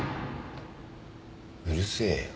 うるせえよ。